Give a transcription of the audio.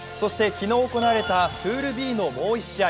昨日行われたプールＢのもう１試合。